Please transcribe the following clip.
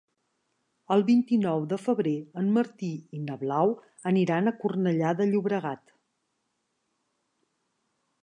El vint-i-nou de febrer en Martí i na Blau aniran a Cornellà de Llobregat.